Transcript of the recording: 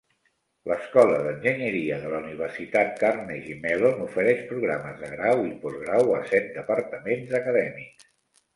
L'escola d'enginyeria de la Universitat Carnegie Mellon ofereix programes de grau i postgrau a set departaments acadèmics.